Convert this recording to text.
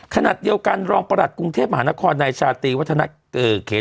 ๙คณรองประหลัดกรุงเทพหมานครในชาติวัฒนาเขจร